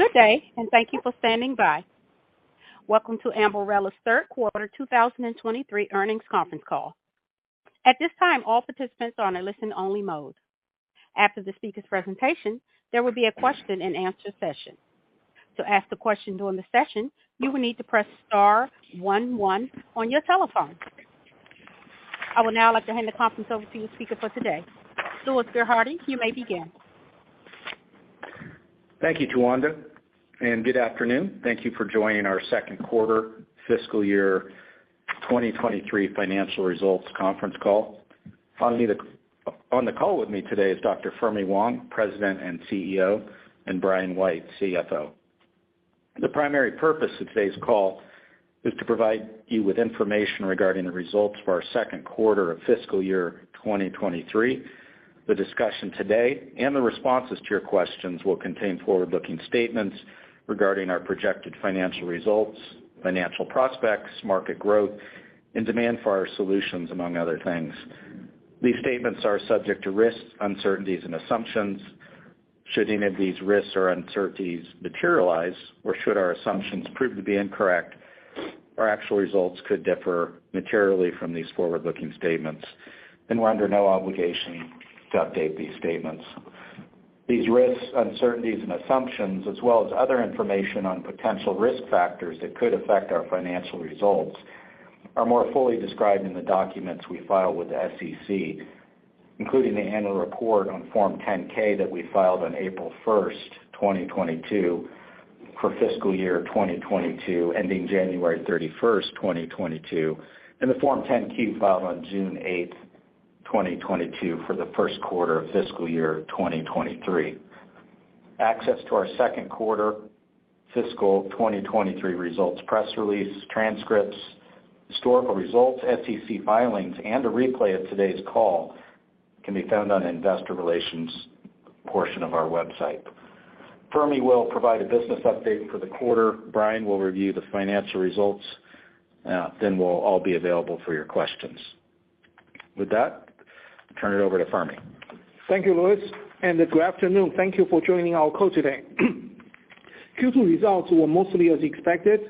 Good day, and thank you for standing by. Welcome to Ambarella's Third Quarter 2023 Earnings Conference Call. At this time, all participants are in a listen-only mode. After the speaker's presentation, there will be a question-and-answer session. To ask the question during the session, you will need to press star one one on your telephone. I would now like to hand the conference over to the speaker for today. Louis Gerhardy, you may begin. Thank you, Tawanda, and good afternoon. Thank you for joining our second quarter fiscal year 2023 financial results conference call. On the call with me today is Dr. Fermi Wang, President and CEO, and Brian White, CFO. The primary purpose of today's call is to provide you with information regarding the results for our second quarter of fiscal year 2023. The discussion today and the responses to your questions will contain forward-looking statements regarding our projected financial results, financial prospects, market growth, and demand for our solutions, among other things. These statements are subject to risks, uncertainties and assumptions. Should any of these risks or uncertainties materialize, or should our assumptions prove to be incorrect, our actual results could differ materially from these forward-looking statements and we're under no obligation to update these statements. These risks, uncertainties and assumptions, as well as other information on potential risk factors that could affect our financial results, are more fully described in the documents we file with the SEC, including the annual report on Form 10-K that we filed on April 1, 2022 for fiscal year 2022, ending January 31, 2022, and the Form 10-Q filed on June 8, 2022 for the first quarter of fiscal year 2023. Access to our second quarter fiscal 2023 results, press release, transcripts, historical results, SEC filings, and a replay of today's call can be found on the investor relations portion of our website. Fermi will provide a business update for the quarter. Brian will review the financial results. Then we'll all be available for your questions. With that, turn it over to Fermi. Thank you, Louis, and good afternoon. Thank you for joining our call today. Q2 results were mostly as expected.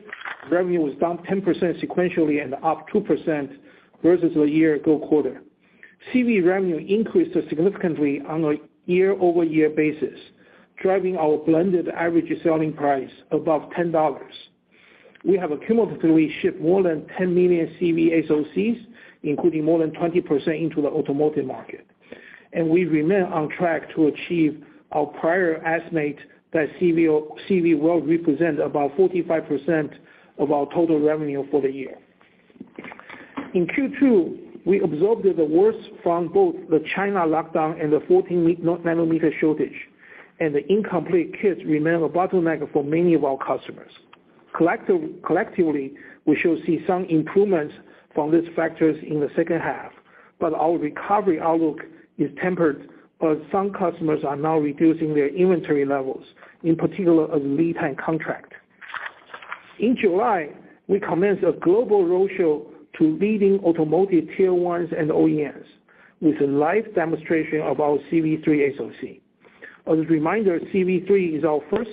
Revenue was down 10% sequentially and up 2% versus the year ago quarter. CV revenue increased significantly on a year-over-year basis, driving our blended average selling price above $10. We have cumulatively shipped more than 10 million CV SoCs, including more than 20% into the automotive market. We remain on track to achieve our prior estimate that CV will represent about 45% of our total revenue for the year. In Q2, we observed the worst from both the China lockdown and the 14 nm shortage, and the incomplete kits remain a bottleneck for many of our customers. Collectively, we should see some improvements from these factors in the second half, but our recovery outlook is tempered as some customers are now reducing their inventory levels, in particular a lead time contract. In July, we commenced a global roadshow to leading automotive tier ones and OEMs with a live demonstration of our CV3 SoC. As a reminder, CV3 is our first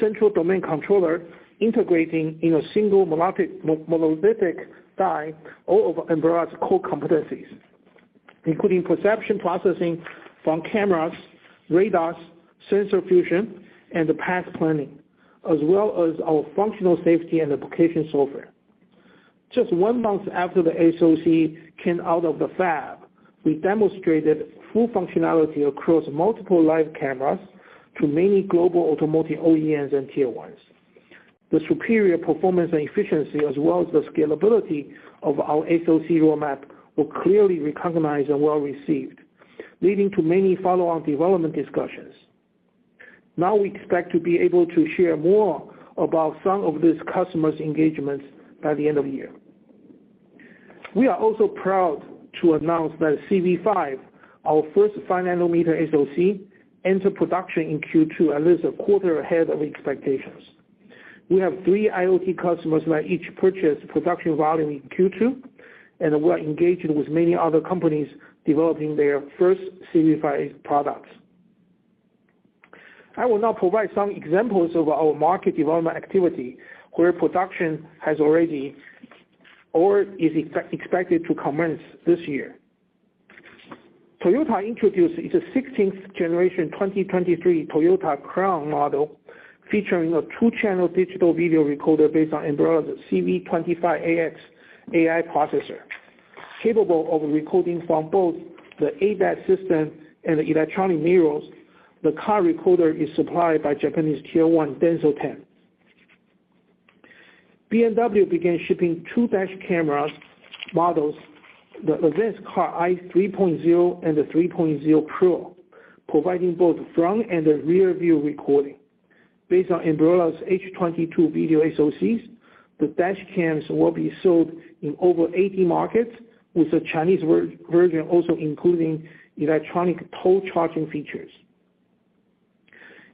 central domain controller integrating in a single monolithic die all of Ambarella's core competencies, including perception processing from cameras, radars, sensor fusion, and path planning, as well as our functional safety and application software. Just one month after the SoC came out of the fab, we demonstrated full functionality across multiple live cameras to many global automotive OEMs and tier ones. The superior performance and efficiency as well as the scalability of our SoC roadmap were clearly recognized and well received, leading to many follow-on development discussions. Now, we expect to be able to share more about some of these customers' engagements by the end of the year. We are also proud to announce that CV5, our first 5 nm SoC, entered production in Q2 and is a quarter ahead of expectations. We have three IoT customers that each purchased production volume in Q2, and we're engaging with many other companies developing their first CV5 products. I will now provide some examples of our market development activity where production has already or is expected to commence this year. Toyota introduced its 16th-generation 2023 Toyota Crown model, featuring a two channel digital video recorder based on Ambarella's CV25AX AI processor. Capable of recording from both the ADAS system and the electronic mirrors, the car recorder is supplied by Japanese Tier 1 Denso Ten. BMW began shipping two dash cameras models, the Advanced Car Eye 3.0 and the 3.0 Pro, providing both front and the rear view recording. Based on Ambarella's H22 video SoCs, the dash cams will be sold in over 80 markets, with the Chinese version also including electronic toll charging features.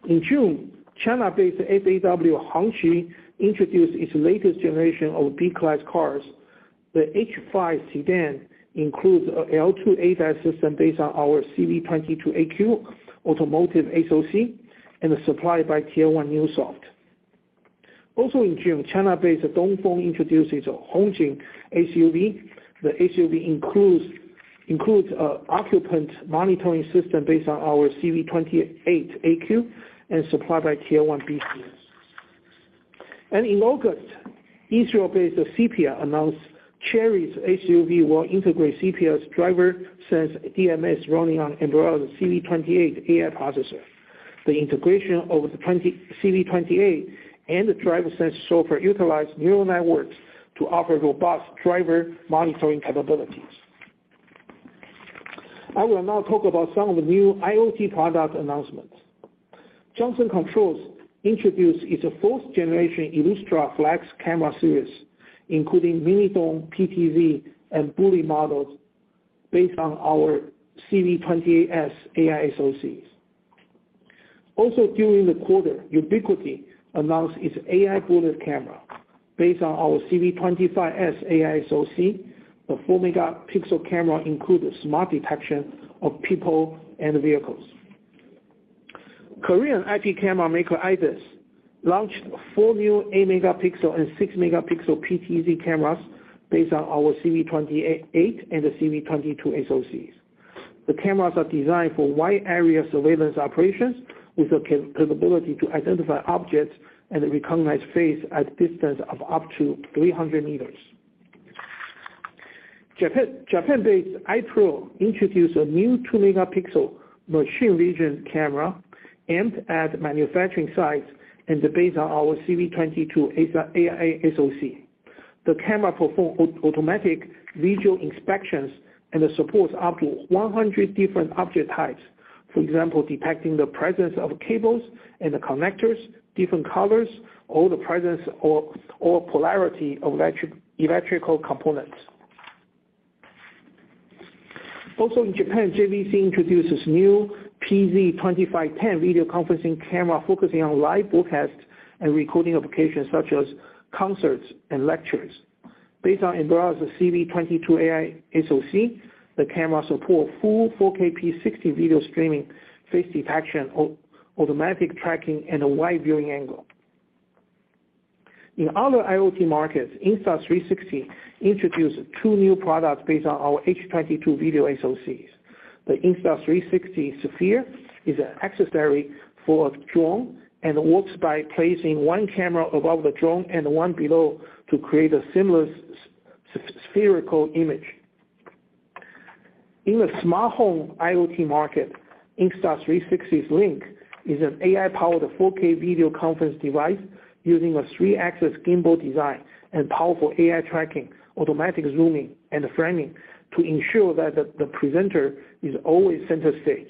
In June, China-based FAW Hongqi introduced its latest generation of B-class cars. The H5 sedan includes a L2 ADAS system based on our CV22AQ automotive SoC and is supplied by Tier 1 Neusoft. Also in June, China-based Dongfeng introduced its Haoji SUV. The SUV includes a occupant monitoring system based on our CV28AQ and supplied by Tier 1 BCAS. In August, Israel-based Cipia announced Chery's SUV will integrate Cipia's DriverSense DMS running on Ambarella's CV28 AI processor. The integration of the CV28 and the DriverSense software utilized neural networks to offer robust driver monitoring capabilities. I will now talk about some of the new IoT product announcements. Johnson Controls introduced its fourth generation Illustra Flex camera series, including mini dome, PTZ, and bullet models based on our CV28S AI SoCs. Also during the quarter, Ubiquiti announced its AI bullet camera based on our CV25S AI SoC. The 4 MP camera includes smart detection of people and vehicles. Korean IP camera maker, IDIS, launched four new 8 MP and 6 MP PTZ cameras based on our CV28 and the CV22 SoCs. The cameras are designed for wide area surveillance operations with the capability to identify objects and recognize face at distance of up to 300 meters. Japan-based i-PRO introduced a new 2 MP machine vision camera aimed at manufacturing sites, and it's based on our CV22 AI SoC. The camera perform automatic visual inspections, and it supports up to 100 different object types. For example, detecting the presence of cables and the connectors, different colors, or the presence or polarity of electrical components. Also in Japan, JVC introduces new PTZ-2510 video conferencing camera focusing on live broadcast and recording applications such as concerts and lectures. Based on Ambarella's CV22 AI SoC, the camera support full 4K P60 video streaming, face detection, automatic tracking, and a wide viewing angle. In other IoT markets, Insta360 introduced two new products based on our H22 video SoCs. The Insta360 Sphere is an accessory for drone, and it works by placing one camera above the drone and one below to create a seamless spherical image. In the smart home IoT market, Insta360's Link is an AI-powered 4K video conference device using a three-axis gimbal design and powerful AI tracking, automatic zooming, and framing to ensure that the presenter is always center stage.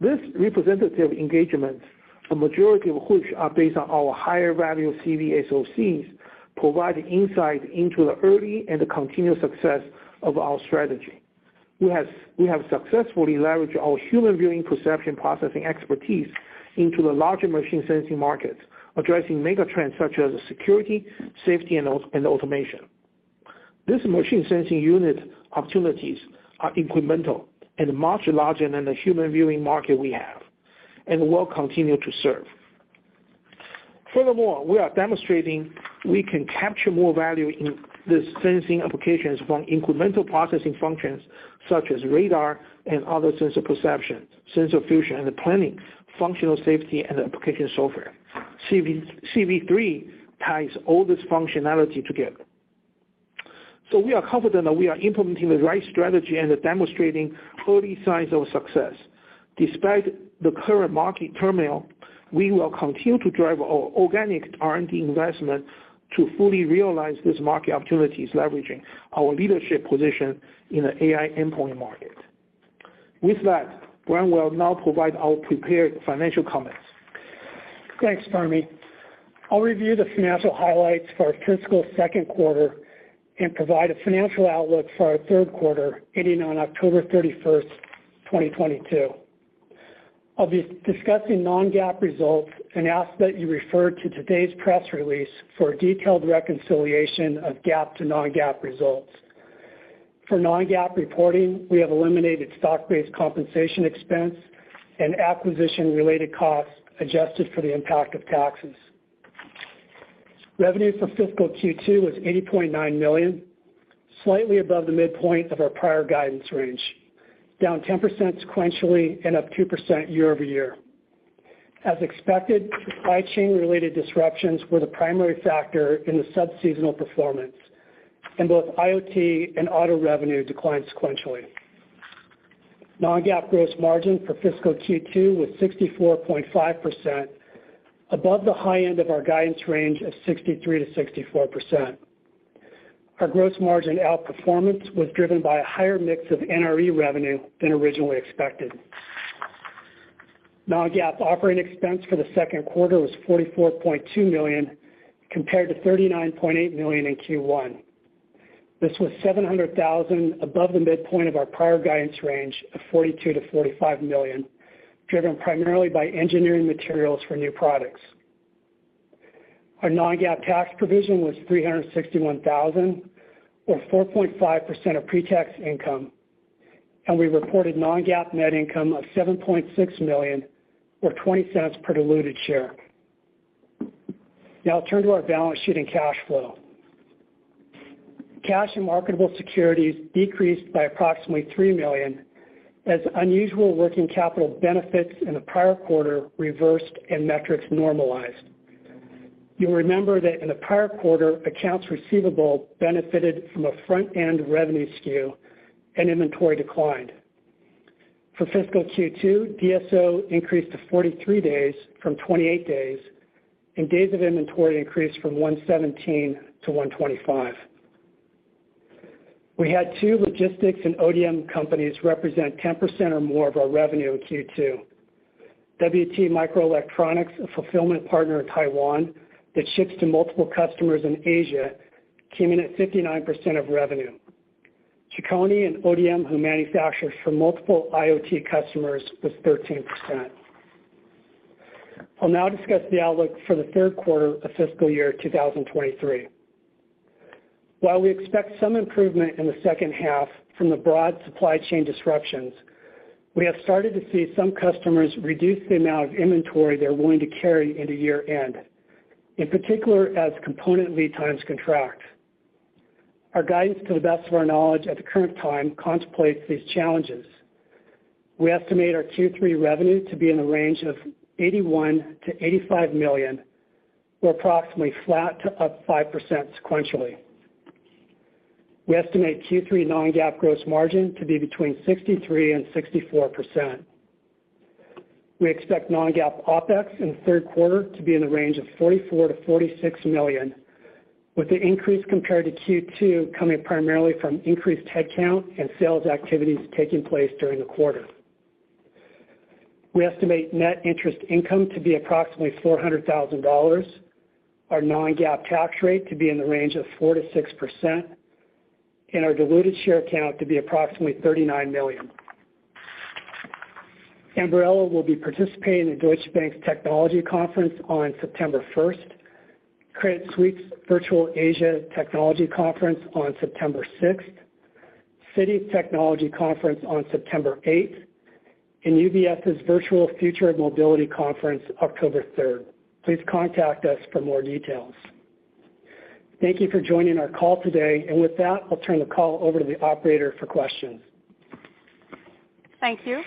These representative engagements, a majority of which are based on our higher value CV SoCs, provide insight into the early and the continued success of our strategy. We have successfully leveraged our human viewing perception processing expertise into the larger machine sensing markets, addressing mega trends such as security, safety, and automation. This machine sensing unit opportunities are incremental and much larger than the human viewing market we have and will continue to serve. Furthermore, we are demonstrating we can capture more value in the sensing applications from incremental processing functions such as radar and other sensor perception, sensor fusion, and planning, functional safety, and application software. CV, CV3 ties all this functionality together. We are confident that we are implementing the right strategy and demonstrating early signs of success. Despite the current market turmoil, we will continue to drive our organic R&D investment to fully realize these market opportunities, leveraging our leadership position in the AI endpoint market. With that, Brian will now provide our prepared financial comments. Thanks, Fermi. I'll review the financial highlights for our fiscal second quarter and provide a financial outlook for our third quarter ending on October 31, 2022. I'll be discussing non-GAAP results and ask that you refer to today's press release for a detailed reconciliation of GAAP to non-GAAP results. For non-GAAP reporting, we have eliminated stock-based compensation expense and acquisition-related costs adjusted for the impact of taxes. Revenue for fiscal Q2 was $80.9 million, slightly above the midpoint of our prior guidance range, down 10% sequentially and up 2% year-over-year. As expected, supply chain-related disruptions were the primary factor in the sub-seasonal performance. Both IoT and auto revenue declined sequentially. Non-GAAP gross margin for fiscal Q2 was 64.5%, above the high end of our guidance range of 63%-64%. Our gross margin outperformance was driven by a higher mix of NRE revenue than originally expected. Non-GAAP operating expense for the second quarter was $44.2 million compared to $39.8 million in Q1. This was $700,000 above the midpoint of our prior guidance range of $42 million-$45 million, driven primarily by engineering materials for new products. Our non-GAAP tax provision was $361,000, or 4.5% of pre-tax income. We reported non-GAAP net income of $7.6 million, or $0.20 per diluted share. Now I'll turn to our balance sheet and cash flow. Cash and marketable securities decreased by approximately $3 million, as unusual working capital benefits in the prior quarter reversed and metrics normalized. You'll remember that in the prior quarter, accounts receivable benefited from a front-end revenue skew and inventory declined. For fiscal Q2, DSO increased to 43 days from 28 days, and days of inventory increased from 117-125. We had two logistics and ODM companies represent 10% or more of our revenue in Q2. WT Microelectronics, a fulfillment partner in Taiwan that ships to multiple customers in Asia, came in at 59% of revenue. Chicony, an ODM who manufactures for multiple IoT customers, was 13%. I'll now discuss the outlook for the third quarter of fiscal year 2023. While we expect some improvement in the second half from the broad supply chain disruptions, we have started to see some customers reduce the amount of inventory they're willing to carry into year-end, in particular as component lead times contract. Our guidance to the best of our knowledge at the current time contemplates these challenges. We estimate our Q3 revenue to be in the range of $81 million-$85 million, or approximately flat to up 5% sequentially. We estimate Q3 non-GAAP gross margin to be between 63%-64%. We expect non-GAAP OpEx in the third quarter to be in the range of $44 million-$46 million, with the increase compared to Q2 coming primarily from increased headcount and sales activities taking place during the quarter. We estimate net interest income to be approximately $400,000, our non-GAAP tax rate to be in the range of 4%-6%, and our diluted share count to be approximately 39 million. Ambarella will be participating in Deutsche Bank's Technology Conference on September first, Credit Suisse Virtual Asia Technology Conference on September 6th, Citi Technology Conference on September 8th, and UBS's Virtual Future of Mobility Conference October third. Please contact us for more details. Thank you for joining our call today. With that, I'll turn the call over to the operator for questions. Thank you.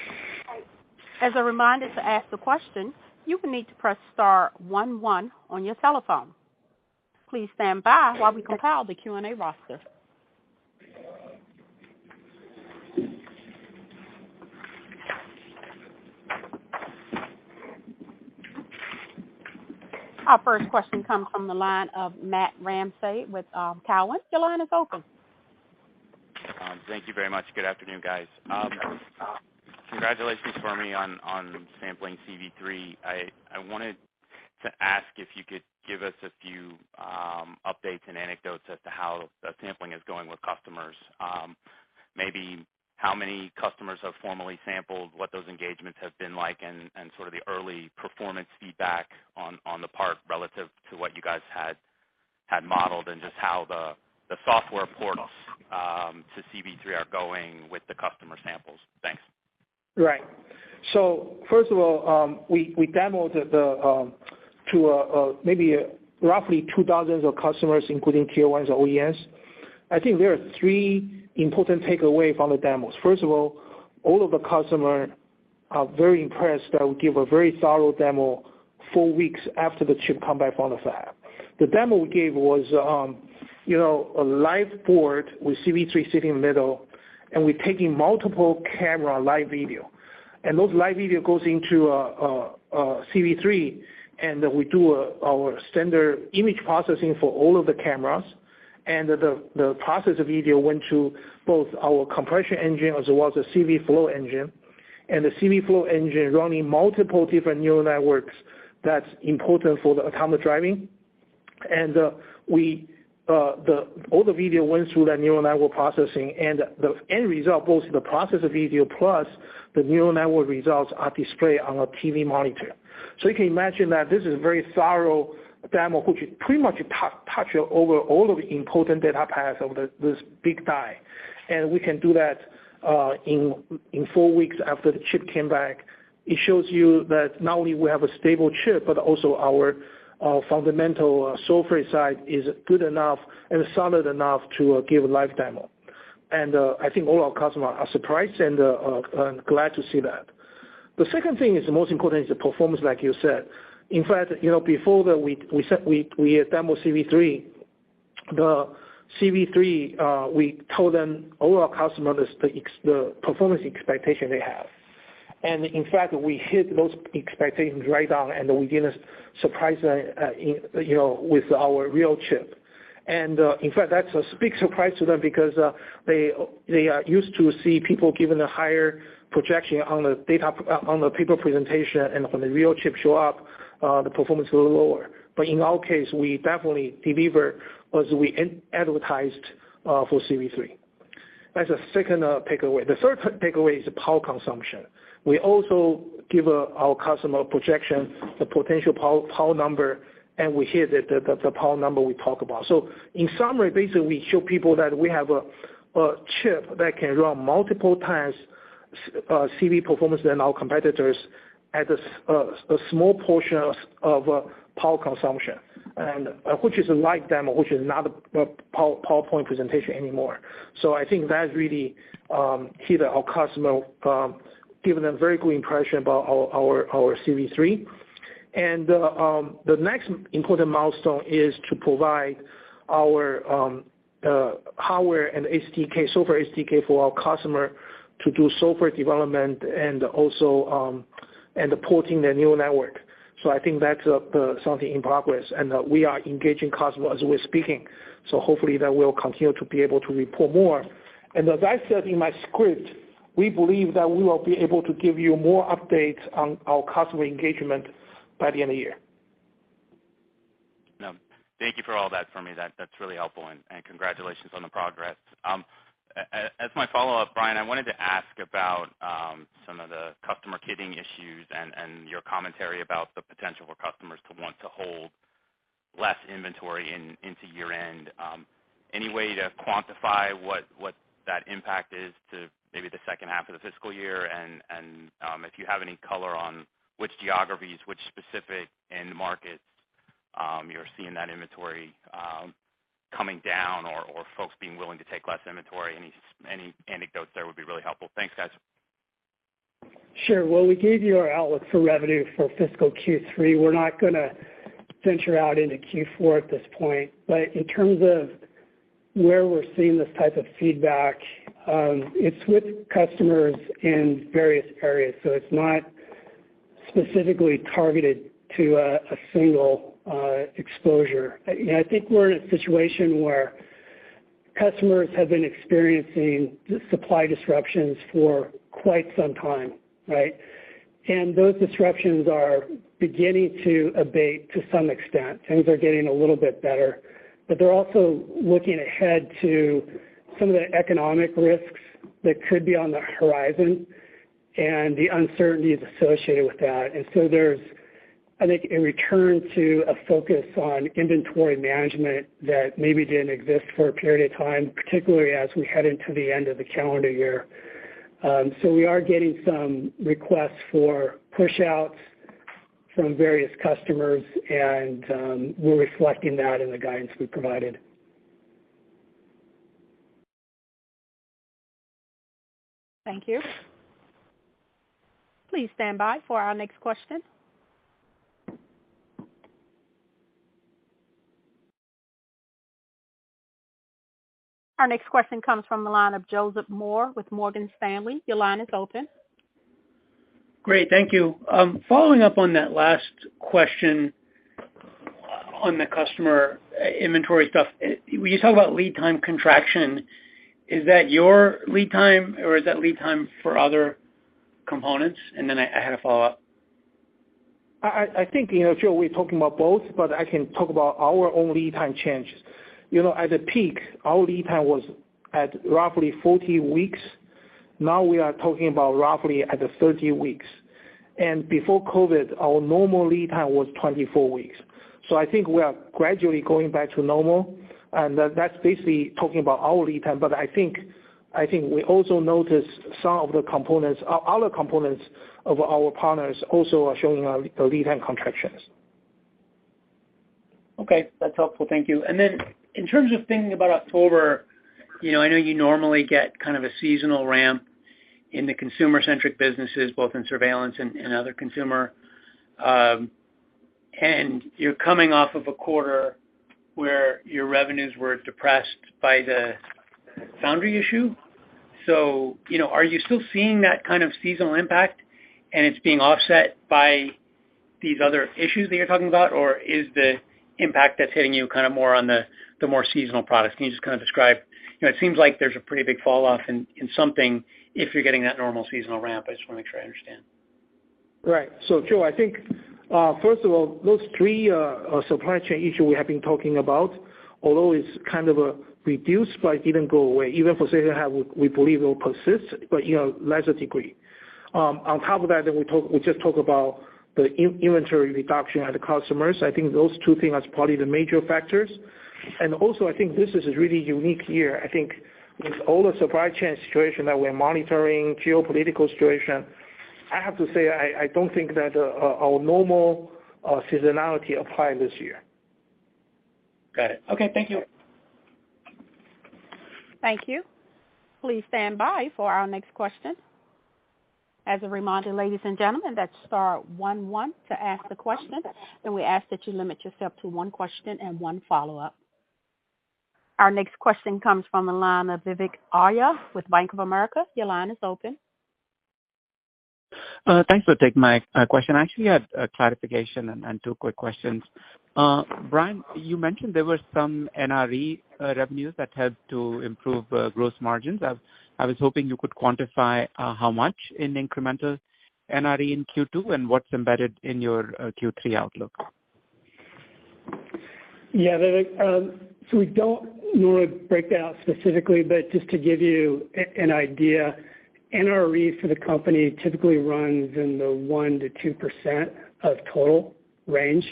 As a reminder to ask the question, you will need to press star one one on your telephone. Please stand by while we compile the Q&A roster. Our first question comes from the line of Matt Ramsay with Cowen. Your line is open. Thank you very much. Good afternoon, guys. Congratulations, Fermi, on sampling CV3. I wanted to ask if you could give us a few updates and anecdotes as to how the sampling is going with customers. Maybe how many customers have formally sampled, what those engagements have been like, and sort of the early performance feedback on the part relative to what you guys had modeled and just how the software ports to CV3 are going with the customer samples. Thanks. Right. First of all, we demoed to roughly 2,000 customers, including tier ones or OEMs. I think there are three important takeaways from the demos. First of all of the customers are very impressed that we give a very thorough demo four weeks after the chip come back from the fab. The demo we gave was, you know, a live board with CV3 sitting in the middle, and we're taking multiple camera live video. Those live video goes into CV3, and we do our standard image processing for all of the cameras. The processed video went to both our compression engine as well as the CVflow engine. The CVflow engine is running multiple different neural networks that's important for the autonomous driving. All the video went through that neural network processing, and the end result, both the processed video plus the neural network results, are displayed on a TV monitor. You can imagine that this is a very thorough demo, which pretty much touches over all of the important data paths of this big die. We can do that in four weeks after the chip came back. It shows you that not only we have a stable chip, but also our fundamental software side is good enough and solid enough to give a live demo. I think all our customers are surprised and glad to see that. The second thing is the most important, the performance, like you said. In fact, you know, before we demoed CV3, we told them, all our customers the performance expectation they have. In fact, we hit those expectations right on, and we didn't surprise you know, with our real chip. In fact, that's a big surprise to them because they are used to see people giving a higher projection on the data, on the paper presentation, and when the real chip show up, the performance is a little lower. In our case, we definitely deliver as we advertised for CV3. That's the second takeaway. The third takeaway is the power consumption. We also give our customer projection the potential power number, and we hear that the power number we talk about. In summary, basically, we show people that we have a chip that can run multiple times CV performance than our competitors at a small portion of power consumption, and which is a live demo, which is not a PowerPoint presentation anymore. I think that really hit our customer, giving them very good impression about our CV3. The next important milestone is to provide our hardware and SDK for our customer to do software development and also porting their neural network. I think that's something in progress, and we are engaging customer as we're speaking. Hopefully that will continue to be able to report more. As I said in my script, we believe that we will be able to give you more updates on our customer engagement by the end of the year. No. Thank you for all that, Fermi. That's really helpful, and congratulations on the progress. As my follow-up, Brian, I wanted to ask about some of the customer kitting issues and your commentary about the potential for customers to want to hold less inventory into year-end. Any way to quantify what that impact is to maybe the second half of the fiscal year? If you have any color on which geographies, which specific end markets, you're seeing that inventory coming down or folks being willing to take less inventory. Any anecdotes there would be really helpful. Thanks, guys. Sure. Well, we gave you our outlook for revenue for fiscal Q3. We're not gonna venture out into Q4 at this point. In terms of where we're seeing this type of feedback, it's with customers in various areas, so it's not specifically targeted to a single exposure. You know, I think we're in a situation where customers have been experiencing supply disruptions for quite some time, right? Those disruptions are beginning to abate to some extent. Things are getting a little bit better. They're also looking ahead to some of the economic risks that could be on the horizon and the uncertainties associated with that. There's, I think, a return to a focus on inventory management that maybe didn't exist for a period of time, particularly as we head into the end of the calendar year. We are getting some requests for pushouts from various customers, and we're reflecting that in the guidance we provided. Thank you. Please stand by for our next question. Our next question comes from the line of Joseph Moore with Morgan Stanley. Your line is open. Great. Thank you. Following up on that last question on the customer inventory stuff, when you talk about lead time contraction, is that your lead time or is that lead time for other components? I had a follow-up. I think, you know, Joe, we're talking about both, but I can talk about our own lead time changes. You know, at the peak, our lead time was at roughly 40 weeks. Now we are talking about roughly at 30 weeks. Before COVID, our normal lead time was 24 weeks. I think we are gradually going back to normal, and that's basically talking about our lead time. I think we also noticed some of the components, other components of our partners also are showing lead time contractions. Okay. That's helpful. Thank you. In terms of thinking about October, you know, I know you normally get kind of a seasonal ramp in the consumer-centric businesses, both in surveillance and other consumer. You're coming off of a quarter where your revenues were depressed by the foundry issue. You know, are you still seeing that kind of seasonal impact, and it's being offset by these other issues that you're talking about? Or is the impact that's hitting you kind of more on the more seasonal products? Can you just kind of describe? You know, it seems like there's a pretty big fall off in something if you're getting that normal seasonal ramp. I just wanna make sure I understand. Right. Joe, I think first of all, those three supply chain issue we have been talking about, although it's kind of reduced but didn't go away, even for second half, we believe will persist, but you know, lesser degree. On top of that, we just talked about the inventory reduction at the customers. I think those two things are probably the major factors. Also, I think this is a really unique year. I think with all the supply chain situation that we're monitoring, geopolitical situation, I have to say, I don't think that our normal seasonality apply this year. Got it. Okay. Thank you. Thank you. Please stand by for our next question. As a reminder, ladies and gentlemen, that's star one one to ask the question, and we ask that you limit yourself to one question and one follow-up. Our next question comes from the line of Vivek Arya with Bank of America. Your line is open. Thanks for taking my question. I actually have a clarification and two quick questions. Brian, you mentioned there were some NRE revenues that helped to improve gross margins. I was hoping you could quantify how much in incremental NRE in Q2 and what's embedded in your Q3 outlook. Yeah, Vivek. So we don't normally break it out specifically, but just to give you an idea, NRE for the company typically runs in the 1%-2% of total range.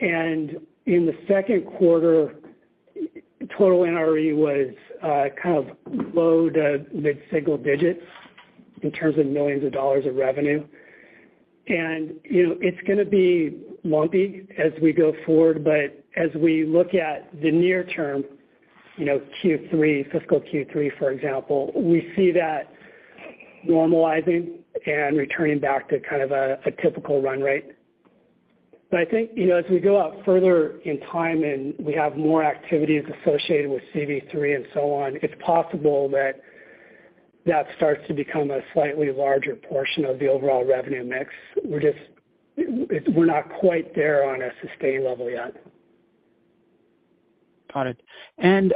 In the second quarter, total NRE was kind of low- to mid-single digits in terms of million dollars of revenue. You know, it's gonna be lumpy as we go forward, but as we look at the near term, you know, Q3, fiscal Q3, for example, we see that normalizing and returning back to kind of a typical run rate. I think, you know, as we go out further in time and we have more activities associated with CV3 and so on, it's possible that starts to become a slightly larger portion of the overall revenue mix. We're not quite there on a sustained level yet. Got it.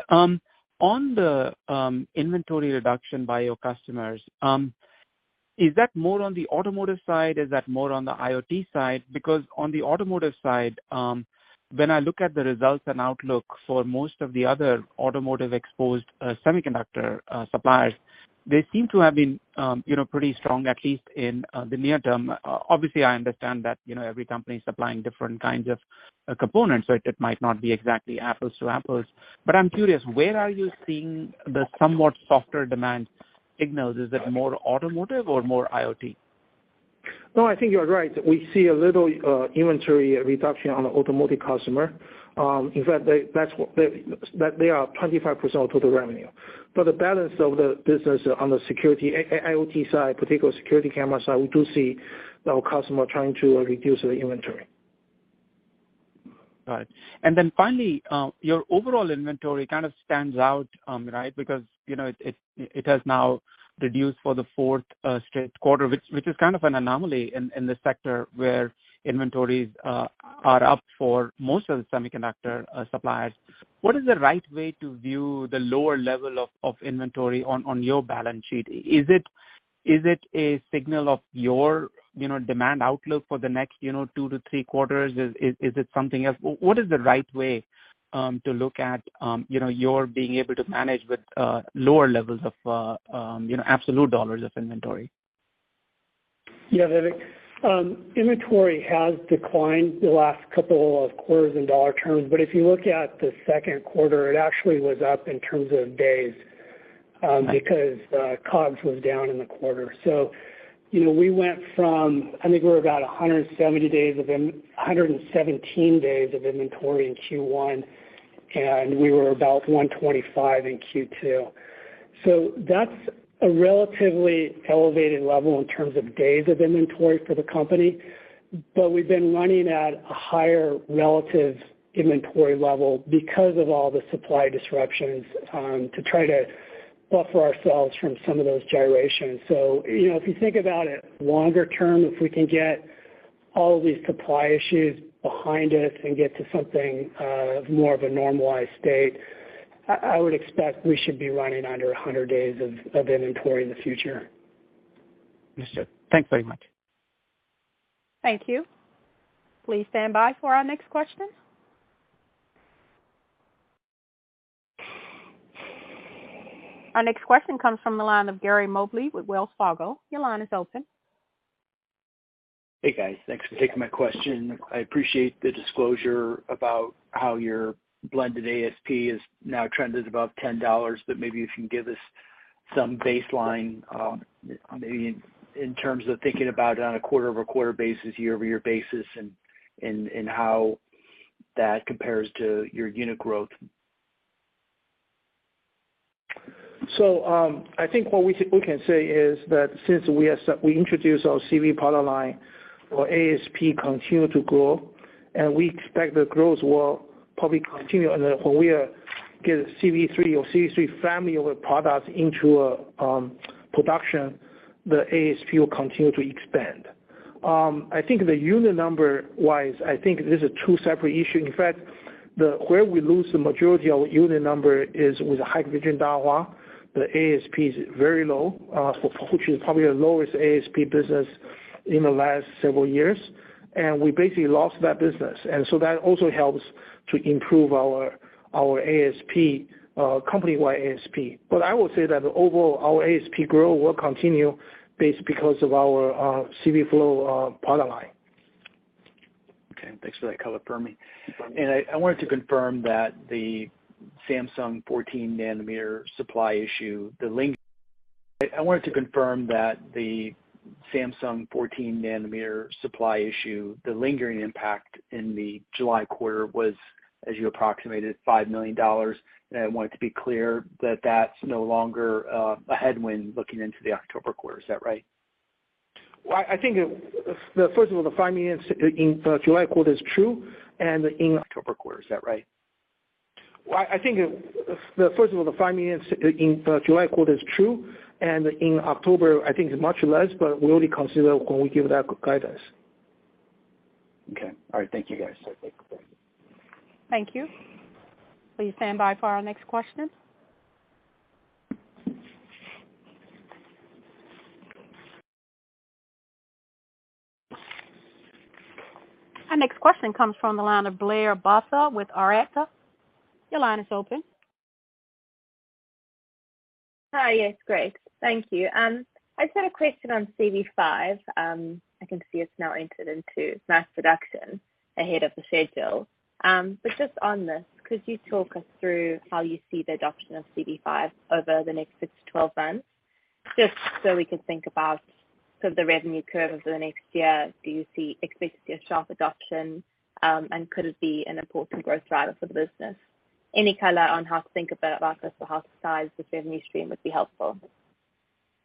On the inventory reduction by your customers, is that more on the automotive side? Is that more on the IoT side? Because on the automotive side, when I look at the results and outlook for most of the other automotive-exposed semiconductor suppliers, they seem to have been, you know, pretty strong, at least in the near term. Obviously, I understand that, you know, every company is supplying different kinds of components, so it might not be exactly apples to apples. I'm curious, where are you seeing the somewhat softer demand signals? Is it more automotive or more IoT? No, I think you're right. We see a little inventory reduction on the automotive customer. In fact, they are 25% of total revenue. The balance of the business on the security, IoT side, particularly security camera side, we do see our customer trying to reduce the inventory. All right. Finally, your overall inventory kind of stands out, right? Because, you know, it has now reduced for the fourth straight quarter, which is kind of an anomaly in this sector where inventories are up for most of the semiconductor suppliers. What is the right way to view the lower level of inventory on your balance sheet? Is it a signal of your, you know, demand outlook for the next, you know, two to three quarters? Is it something else? What is the right way to look at, you know, your being able to manage with lower levels of, you know, absolute dollars of inventory? Yeah, Vivek. Inventory has declined the last couple of quarters in dollar terms, but if you look at the second quarter, it actually was up in terms of days, because COGS was down in the quarter. You know, we went from, I think we were about 117 days of inventory in Q1, and we were about 125 in Q2. That's a relatively elevated level in terms of days of inventory for the company. But we've been running at a higher relative inventory level because of all the supply disruptions, to try to buffer ourselves from some of those gyrations. You know, if you think about it longer term, if we can get all of these supply issues behind us and get to something more of a normalized state, I would expect we should be running under 100 days of inventory in the future. Understood. Thanks very much. Thank you. Please stand by for our next question. Our next question comes from the line of Gary Mobley with Wells Fargo. Your line is open. Hey, guys. Thanks for taking my question. I appreciate the disclosure about how your blended ASP has now trended above $10, but maybe if you can give us some baseline, maybe in terms of thinking about it on a quarter-over-quarter basis, year-over-year basis, and how that compares to your unit growth? I think what we can say is that since we have introduced our CV product line, our ASP continued to grow, and we expect the growth will probably continue. When we get CV3 or CV3 family of products into production, the ASP will continue to expand. I think the unit number-wise, this is two separate issues. In fact, where we lose the majority of unit number is with Hikvision and Dahua. The ASP is very low, which is probably the lowest ASP business in the last several years. We basically lost that business. That also helps to improve our ASP company-wide ASP. But I would say that overall, our ASP growth will continue because of our CVflow product line. Okay. Thanks for that color for me. I wanted to confirm that the Samsung 14 nm supply issue, the lingering impact in the July quarter was, as you approximated, $5 million. I want it to be clear that that's no longer a headwind looking into the October quarter. Is that right? Well, I think the first of all, the $5 million in the July quarter is true and in- October quarter, is that right? Well, I think the first of all, the $5 million in the July quarter is true, and in October I think it's much less, but we already consider when we give that guidance. Okay. All right. Thank you, guys. Thank you. Please stand by for our next question. Our next question comes from the line of Quinn Bolton with Needham. Your line is open. Hi. Yes, Great, thank you. I just had a question on CV5. I can see it's now entered into mass production ahead of the schedule. But just on this, could you talk us through how you see the adoption of CV5 over the next 6-12 months? Just so we could think about sort of the revenue curve over the next year. Do you expect to see a sharp adoption, and could it be an important growth driver for the business? Any color on how to think about it, like as to how to size this revenue stream would be helpful.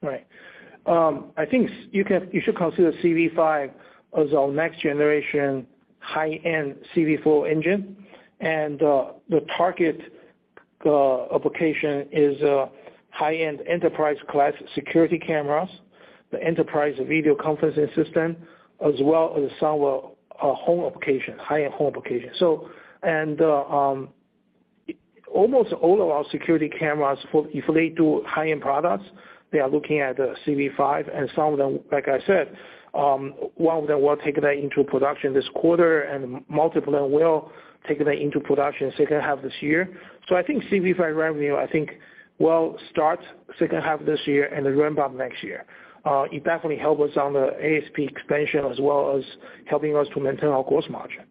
Right. I think you should consider CV five as our next generation high-end CV four engine. I think the target application is high-end enterprise class security cameras, the enterprise video conferencing system, as well as some of our home applications, high-end home applications. Almost all of our security cameras for if they do high-end products, they are looking at CV five, and some of them, like I said, one of them will take that into production this quarter, and multiple will take that into production second half this year. I think CV five revenue will start second half of this year and then ramp up next year. It definitely help us on the ASP expansion as well as helping us to maintain our gross margin.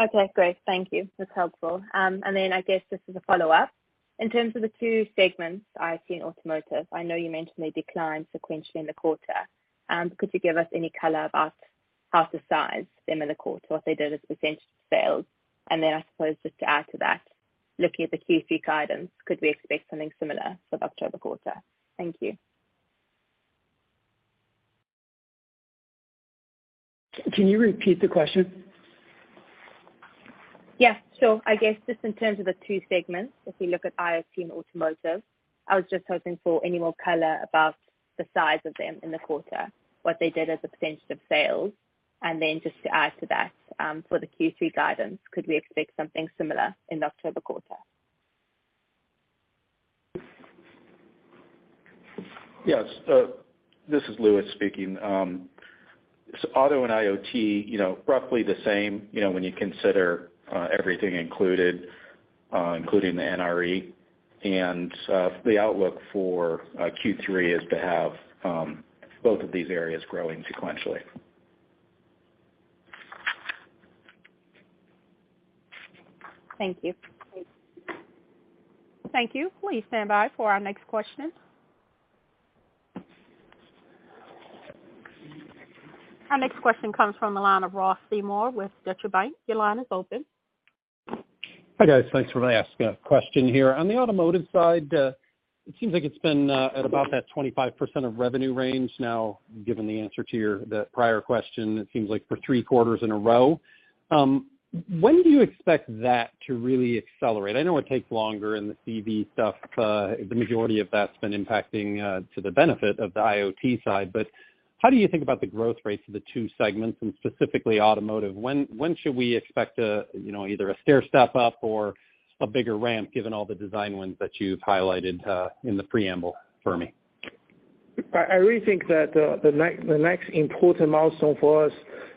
Okay, great. Thank you. That's helpful. I guess just as a follow-up, in terms of the two segments, IoT and automotive, I know you mentioned they declined sequentially in the quarter. Could you give us any color about how to size them in the quarter, what they did as a percentage of sales? I suppose just to add to that, looking at the Q3 guidance, could we expect something similar for the October quarter? Thank you. Can you repeat the question? Yeah, sure. I guess just in terms of the two segments, if we look at IoT and automotive, I was just hoping for any more color about the size of them in the quarter, what they did as a percentage of sales. Just to add to that, for the Q3 guidance, could we expect something similar in the October quarter? Yes. This is Louis speaking. So auto and IoT, you know, roughly the same, you know, when you consider everything included, including the NRE. The outlook for Q3 is to have both of these areas growing sequentially. Thank you. Thank you. Please stand by for our next question. Our next question comes from the line of Ross Seymore with Deutsche Bank. Your line is open. Hi, guys. Thanks for letting me ask a question here. On the automotive side, it seems like it's been at about that 25% of revenue range now, given the answer to the prior question. It seems like for three quarters in a row. When do you expect that to really accelerate? I know it takes longer in the CV stuff. The majority of that's been impacting to the benefit of the IoT side. But how do you think about the growth rates of the two segments, and specifically automotive? When should we expect, you know, either a stair step up or a bigger ramp given all the design wins that you've highlighted in the preamble for me? I really think that the next important milestone for us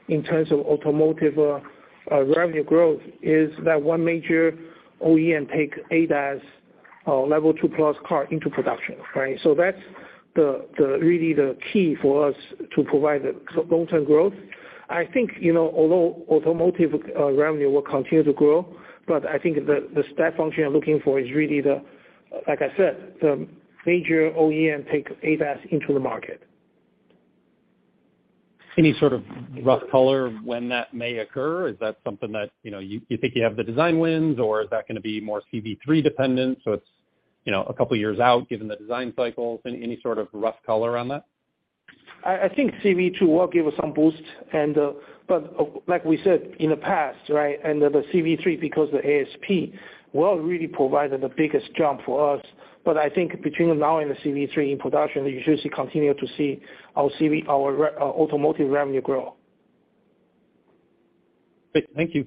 in terms of automotive revenue growth is that one major OEM take ADAS level 2+ car into production, right? That's really the key for us to provide the long-term growth. I think, you know, although automotive revenue will continue to grow, but I think the step function you're looking for is really the, like I said, the major OEM take ADAS into the market. Any sort of rough color when that may occur? Is that something that, you know, you think you have the design wins, or is that gonna be more CV3 dependent, so it's, you know, a couple of years out given the design cycles? Any sort of rough color on that? I think CV2 will give us some boost. Like we said in the past, right, and the CV3, because the ASP will really provide the biggest jump for us. I think between now and the CV3 in production, you should continue to see our CV, our automotive revenue grow. Great. Thank you.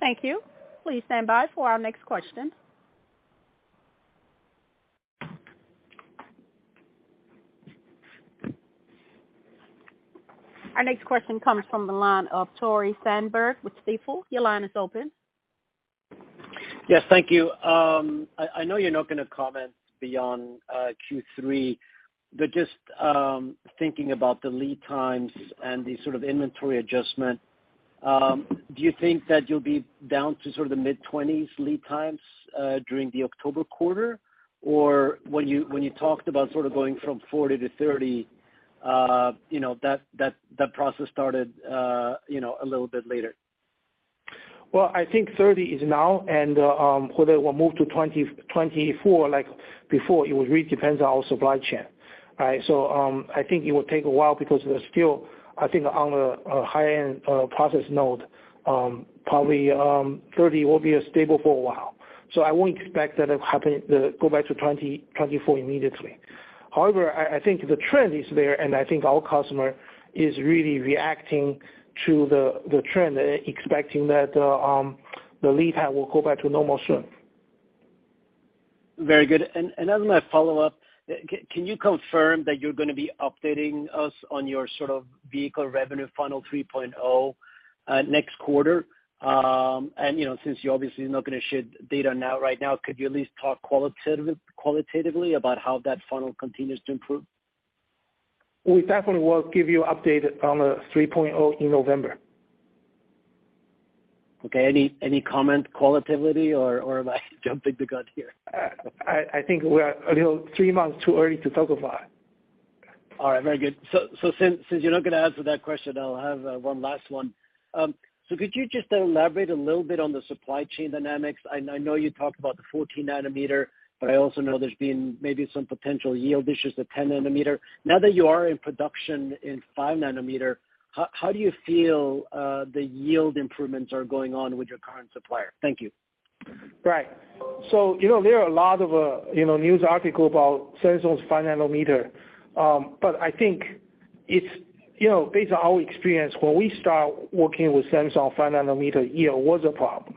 Thank you. Please stand by for our next question. Our next question comes from the line of Tore Svanberg with Stifel. Your line is open. Yes, thank you. I know you're not gonna comment beyond Q3, but just thinking about the lead times and the sort of inventory adjustment, do you think that you'll be down to sort of the mid-20s lead times during the October quarter? Or when you talked about sort of going from 40-30, you know, that process started, you know, a little bit later. Well, I think 30 is now and whether we'll move to 20-24 like before, it would really depends on our supply chain, right? I think it will take a while because there's still, I think on a high-end process node, probably 30 will be stable for a while. I won't expect that it happen, go back to 20-24 immediately. However, I think the trend is there, and I think our customer is really reacting to the trend, expecting that the lead time will go back to normal soon. Very good. As my follow-up, can you confirm that you're gonna be updating us on your sort of vehicle revenue funnel 3.0 next quarter? You know, since you're obviously not gonna share data now, right now, could you at least talk qualitatively about how that funnel continues to improve? We definitely will give you update on the 3.0 in November. Okay. Any comment qualitatively, or am I jumping the gun here? I think we are a little three months too early to talk about it. All right, very good. Since you're not gonna answer that question, I'll have one last one. Could you just elaborate a little bit on the supply chain dynamics? I know you talked about the 14 nm, but I also know there's been maybe some potential yield issues with 10 nm. Now that you are in production in 5 nm, how do you feel the yield improvements are going on with your current supplier? Thank you. Right. You know, there are a lot of, you know, news articles about Samsung's 5 nm. I think it's, you know, based on our experience, when we start working with Samsung 5 nm, yield was a problem.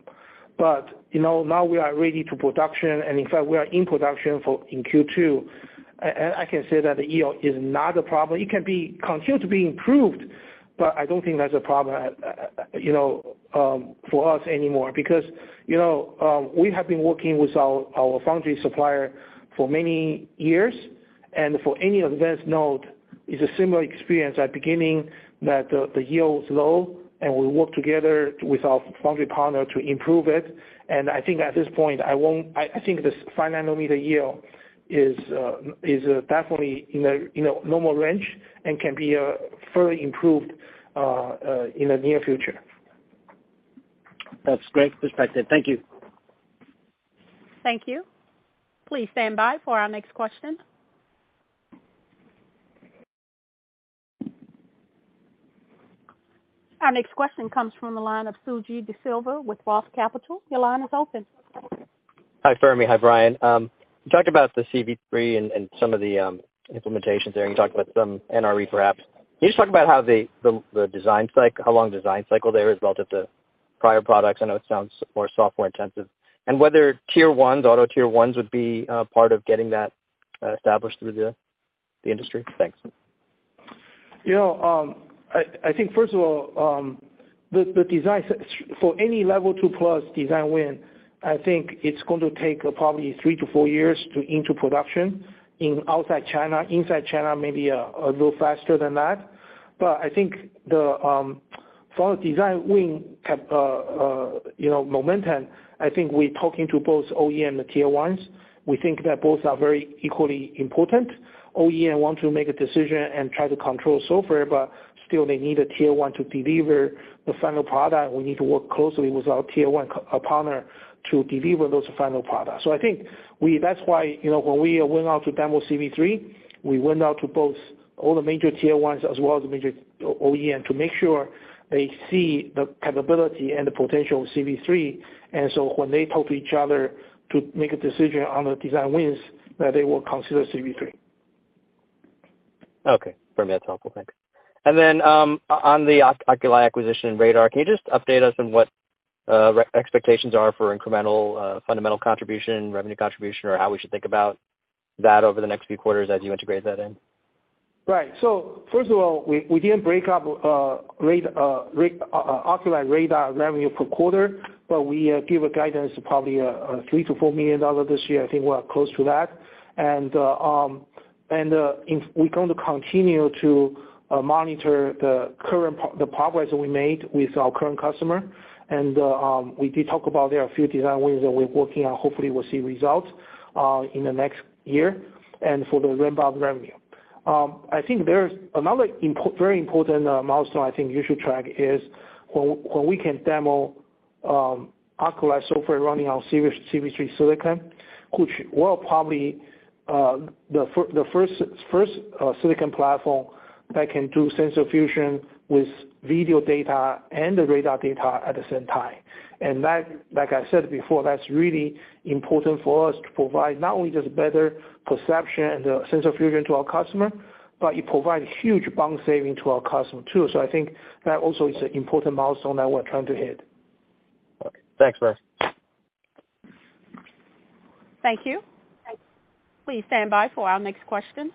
You know, now we are ready to production, and in fact, we are in production in Q2. I can say that the yield is not a problem. It can be continued to be improved, but I don't think that's a problem, you know, for us anymore. Because, you know, we have been working with our foundry supplier for many years. For any advanced node, it's a similar experience at beginning that the yield is low, and we work together with our foundry partner to improve it. I think at this point this 5 nm yield is definitely in a, you know, normal range and can be further improved in the near future. That's great perspective. Thank you. Thank you. Please stand by for our next question. Our next question comes from the line of Suji Desilva with Roth Capital. Your line is open. Hi, Fermi. Hi, Brian. You talked about the CV3 and some of the implementations there, and you talked about some NRE, perhaps. Can you just talk about how the design cycle, how long design cycle there is relative to prior products? I know it sounds more software intensive. Whether Tier 1s, auto Tier 1s would be part of getting that established through the industry? Thanks. You know, I think first of all, the design for any level 2+ design win, I think it's going to take probably three to four years to enter production in outside China. Inside China, maybe a little faster than that. I think for our design win cap, you know, momentum, I think we're talking to both OEM and the Tier ones. We think that both are very equally important. OEM want to make a decision and try to control software, but still they need a Tier 1 to deliver the final product. We need to work closely with our Tier 1 partner to deliver those final products. I think that's why, you know, when we went out to demo CV3, we went out to both all the major Tier 1s as well as the major OEM to make sure they see the capability and the potential of CV3. When they talk to each other to make a decision on the design wins, that they will consider CV3. Okay. For me, that's helpful. Thanks. On the Oculii acquisition radar, can you just update us on what expectations are for incremental fundamental contribution, revenue contribution, or how we should think about that over the next few quarters as you integrate that in? Right. First of all, we didn't break out Oculii radar revenue per quarter, but we give a guidance probably $3 million-$4 million this year. I think we are close to that. We're going to continue to monitor the progress we made with our current customer. We did talk about there are a few design wins that we're working on. Hopefully, we'll see results in the next year and for the ramp-up revenue. I think there's another very important milestone I think you should track is when we can demo Oculii software running on CV3 silicon, which will probably the first silicon platform that can do sensor fusion with video data and the radar data at the same time. That, like I said before, that's really important for us to provide not only just better perception and sensor fusion to our customer, but it provide huge cost saving to our customer too. I think that also is an important milestone that we're trying to hit. Okay. Thanks, Brian. Thank you. Please stand by for our next question.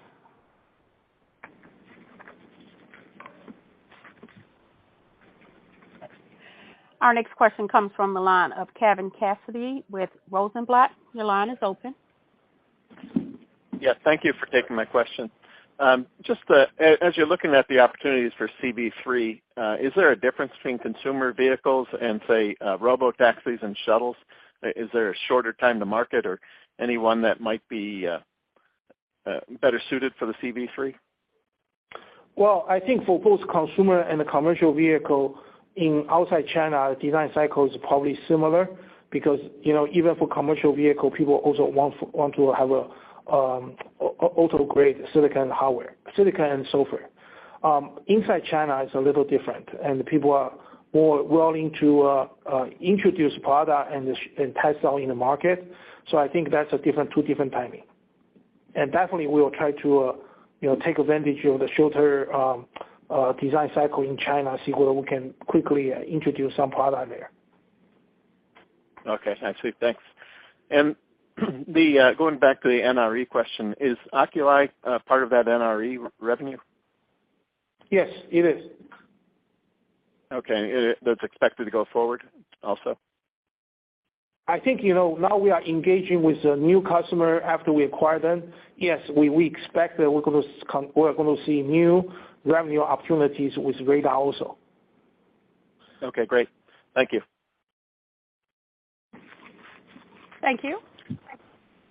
Our next question comes from the line of Kevin Cassidy with Rosenblatt. Your line is open. Yes, thank you for taking my question. Just as you're looking at the opportunities for CV3, is there a difference between consumer vehicles and, say, robotaxis and shuttles? Is there a shorter time to market or any one that might be better suited for the CV3? I think for both consumer and the commercial vehicle outside China, design cycle is probably similar because, you know, even for commercial vehicle, people also want to have auto-grade silicon hardware, silicon and software. Inside China, it's a little different, and the people are more willing to introduce product and test out in the market. I think that's two different timing. Definitely we will try to, you know, take advantage of the shorter design cycle in China, see whether we can quickly introduce some product there. Okay. I see. Thanks. Going back to the NRE question, is Oculii part of that NRE revenue? Yes, it is. Okay. That's expected to go forward also? I think, you know, now we are engaging with a new customer after we acquire them. Yes, we expect that we're gonna see new revenue opportunities with radar also. Okay, great. Thank you. Thank you.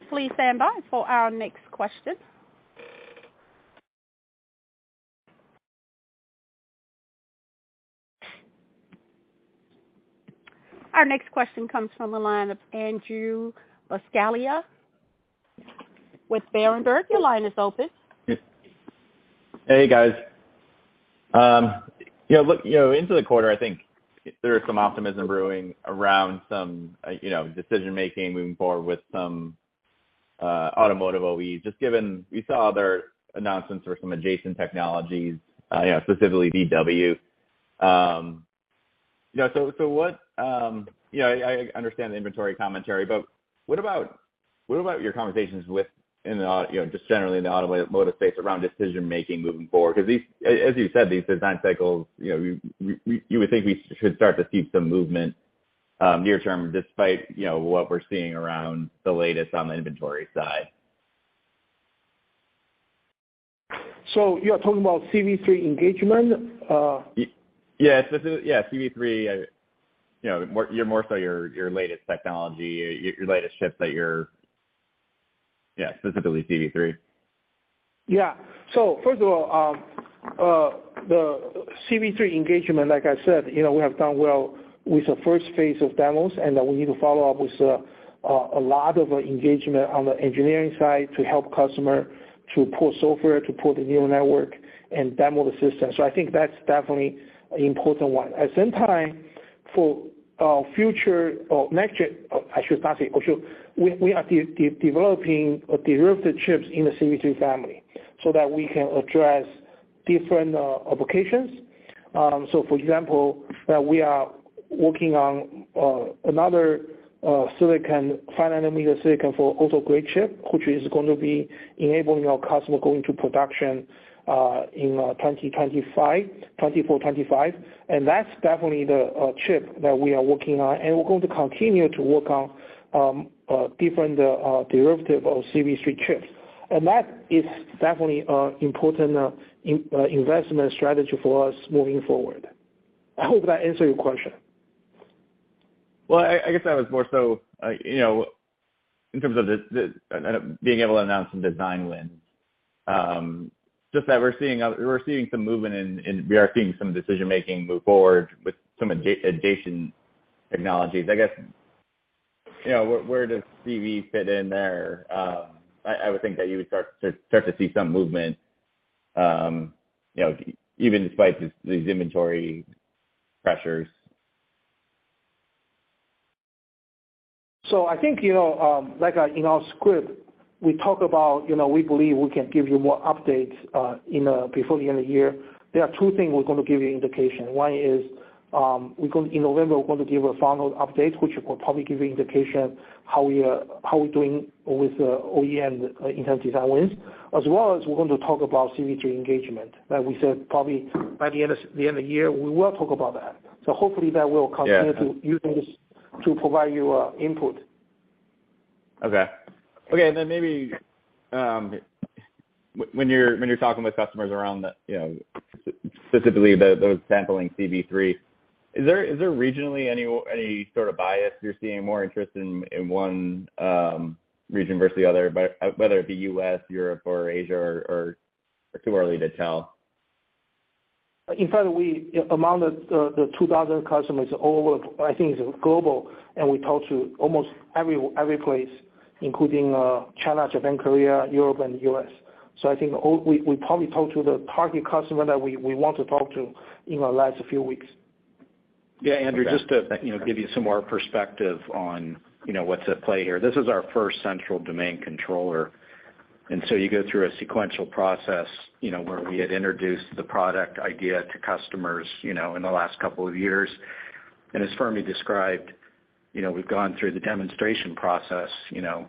Please stand by for our next question. Our next question comes from the line of Andrew Buscaglia with Berenberg. Your line is open. Hey, guys. You know, look, you know, into the quarter, I think there is some optimism brewing around some, you know, decision-making moving forward with some, automotive OEs. Just given you saw their announcements for some adjacent technologies, you know, specifically VW. You know, so what. You know, I understand the inventory commentary, but what about your conversations within the automotive, you know, just generally in the automotive space around decision-making moving forward? Because, as you said, these design cycles, you know, you would think we should start to see some movement near term despite, you know, what we're seeing around the latest on the inventory side. You're talking about CV3 engagement? Yes, specifically, yeah, CV3, you know, more so your latest technology, your latest chips. Yeah, specifically CV3. Yeah. First of all, the CV3 engagement, like I said, you know, we have done well with the first phase of demos, and we need to follow up with a lot of engagement on the engineering side to help customer to pull software, to pull the new network and demo the system. I think that's definitely an important one. At same time, for future or next gen. I should not say. Or should. We are developing derivative chips in the CV3 family so that we can address different applications. For example, we are working on another silicon, 5 nm silicon for auto grade chip, which is going to be enabling our customer going to production in 2024-2025. That's definitely the chip that we are working on, and we're going to continue to work on different derivatives of CV3 chips. That is definitely an important investment strategy for us moving forward. I hope that answered your question. Well, I guess I was more so, you know, in terms of and being able to announce some design wins. Just that we're seeing some movement and we are seeing some decision-making move forward with some adjacent technologies. I guess, you know, where does CV fit in there? I would think that you would start to see some movement, you know, even despite these inventory pressures. I think, you know, like, in our script, we talk about, you know, we believe we can give you more updates in before the end of the year. There are two things we're gonna give you indication. One is, in November, we're going to give a final update, which will probably give you indication how we are, how we're doing with OEM in terms of design wins, as well as we're going to talk about CV3 engagement. Like we said, probably by the end of year, we will talk about that. Hopefully that will continue. Yeah. to use this to provide you input. Maybe when you're talking with customers around the, you know, specifically those sampling CV3, is there regionally any sort of bias you're seeing more interest in one region versus the other, whether it be U.S., Europe or Asia or too early to tell? In fact, among the 2,000 customers all over, I think it's global, and we talk to almost every place, including China, Japan, Korea, Europe and U.S. I think all we probably talk to the target customer that we want to talk to in the last few weeks. Yeah. Andrew, just to, you know, give you some more perspective on, you know, what's at play here. This is our first central domain controller, and so you go through a sequential process, you know, where we had introduced the product idea to customers, you know, in the last couple of years. As Fermi described, you know, we've gone through the demonstration process, you know.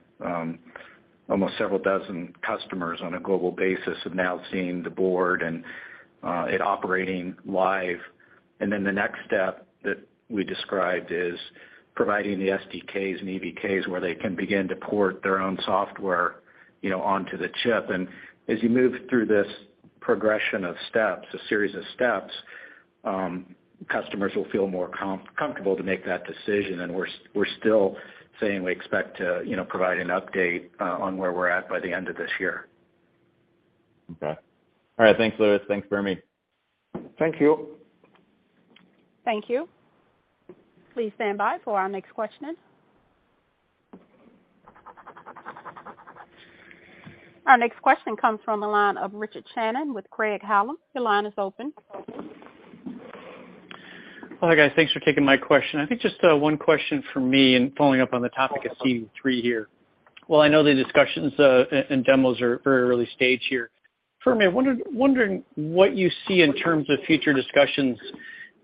Almost several dozen customers on a global basis have now seen the board and it operating live. Then the next step that we described is providing the SDKs and EVKs where they can begin to port their own software, you know, onto the chip. As you move through this progression of steps, a series of steps, customers will feel more comfortable to make that decision. We're still saying we expect to, you know, provide an update on where we're at by the end of this year. Okay. All right. Thanks, Louis. Thanks, Fermi. Thank you. Thank you. Please stand by for our next question. Our next question comes from the line of Richard Shannon with Craig-Hallum. Your line is open. Hi, guys. Thanks for taking my question. I think just one question from me and following up on the topic of CV3 here. While I know the discussions and demos are very early stage here, for me, wondering what you see in terms of future discussions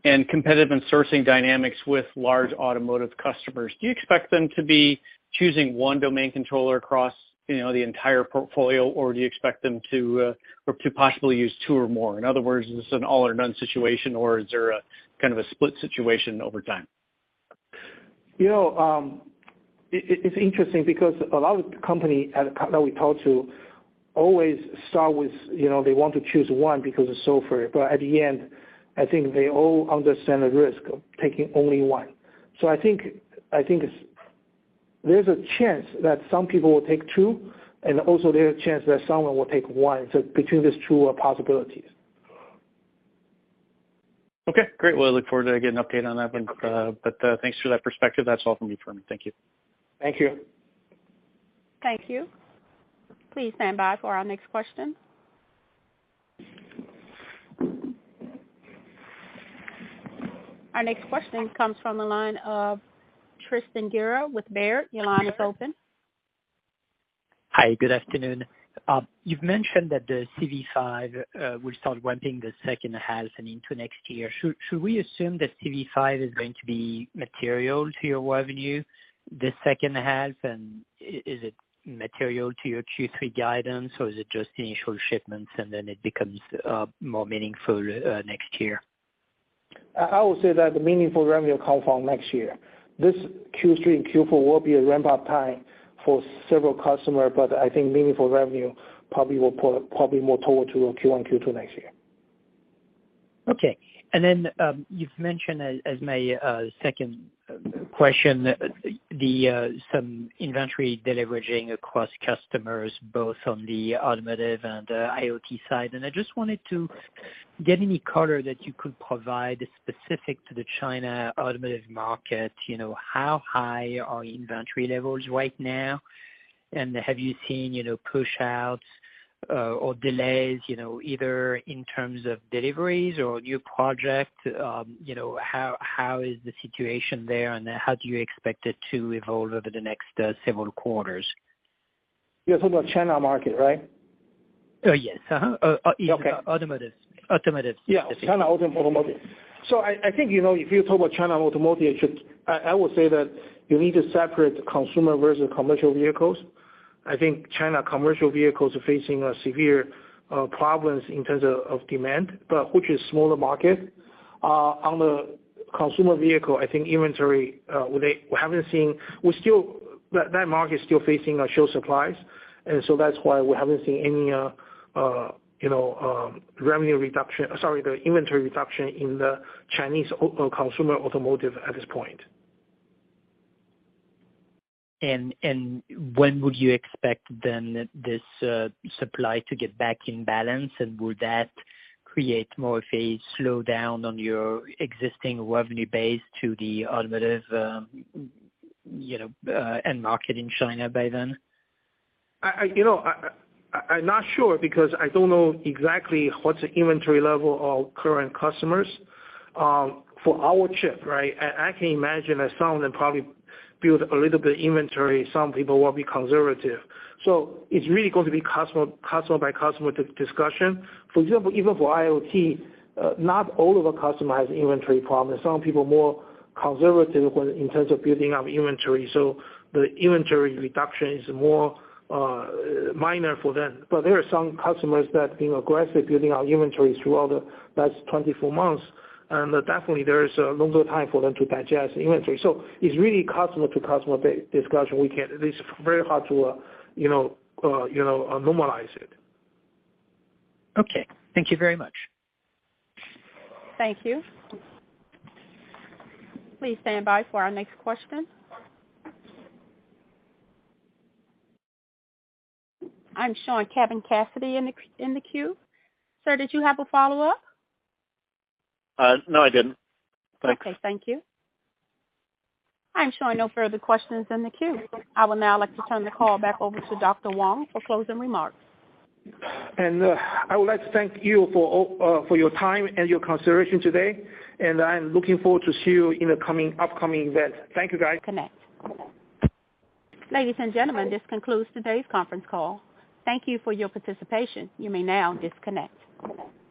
and competitive and sourcing dynamics with large automotive customers. Do you expect them to be choosing one domain controller across, you know, the entire portfolio, or do you expect them to or to possibly use two or more? In other words, is this an all or none situation or is there a kind of a split situation over time? You know, it's interesting because a lot of companies that we talk to always start with, you know, they want to choose one because it's so fair. At the end, I think they all understand the risk of taking only one. I think it's, there's a chance that some people will take two, and also there's a chance that someone will take one. Between these two are possibilities. Okay, great. Well, I look forward to getting an update on that one. Yeah. Thanks for that perspective. That's all from me. Thank you. Thank you. Thank you. Please stand by for our next question. Our next question comes from the line of Tristan Gerra with Baird. Your line is open. Hi, good afternoon. You've mentioned that the CV5 will start ramping the second half and into next year. Should we assume that CV5 is going to be material to your revenue this second half and is it material to your Q3 guidance or is it just initial shipments and then it becomes more meaningful next year? I would say that the meaningful revenue come from next year. This Q3 and Q4 will be a ramp-up time for several customers, but I think meaningful revenue probably more toward to Q1, Q2 next year. Okay. You've mentioned as my second question the some inventory deleveraging across customers, both on the automotive and IoT side. I just wanted to get any color that you could provide specific to the China automotive market. You know, how high are inventory levels right now, and have you seen, you know, pushouts or delays, you know, either in terms of deliveries or new project? You know, how is the situation there, and how do you expect it to evolve over the next several quarters? You're talking about China market, right? Yes. Uh-huh. Okay. In automotive. Yeah, China automotive. I think, you know, if you talk about China automotive, I would say that you need to separate consumer versus commercial vehicles. I think China commercial vehicles are facing a severe problems in terms of demand, but which is smaller market. On the consumer vehicle, I think inventory we haven't seen that market is still facing short supplies. That's why we haven't seen any, you know, revenue reduction—sorry, the inventory reduction in the Chinese consumer automotive at this point. When would you expect then this supply to get back in balance? Would that create more of a slowdown on your existing revenue base to the automotive, you know, end market in China by then? You know, I'm not sure because I don't know exactly what's the inventory level of current customers for our chip, right? I can imagine that some of them probably build a little bit of inventory. Some people will be conservative. It's really going to be customer by customer discussion. For example, even for IoT, not all of our customer has inventory problem. Some people are more conservative when in terms of building up inventory. The inventory reduction is more minor for them. But there are some customers that have been aggressive building out inventories throughout the last 24 months, and definitely there is a longer time for them to digest the inventory. It's really customer to customer discussion. It's very hard to, you know, normalize it. Okay. Thank you very much. Thank you. Please stand by for our next question. I'm showing Kevin Cassidy in the queue. Sir, did you have a follow-up? No, I didn't. Thanks. Okay, thank you. I'm showing no further questions in the queue. I would now like to turn the call back over to Dr. Wang for closing remarks. I would like to thank you for all, for your time and your consideration today, and I'm looking forward to see you in the upcoming event. Thank you, guys. Connect. Ladies and gentlemen, this concludes today's conference call. Thank you for your participation. You may now disconnect.